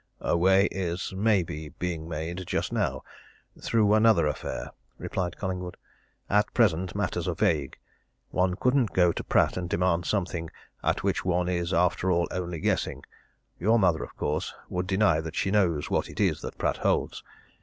"A way is may be being made, just now through another affair," replied Collingwood. "At present matters are vague. One couldn't go to Pratt and demand something at which one is, after all, only guessing. Your mother, of course, would deny that she knows what it is that Pratt holds.